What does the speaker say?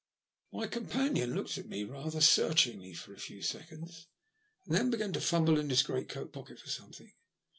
My companion looked at me rather searchingly for a few seconds, and then began to fumble in his great coat pocket for something.